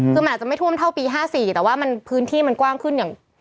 คือมันอาจจะไม่ท่วมเท่าปี๕๔แต่ว่ามันพื้นที่มันกว้างขึ้นอย่าง